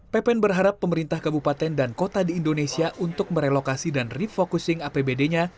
pepen berharap pemerintah kabupaten dan kota di indonesia untuk merelokasi dan refocusing apbd nya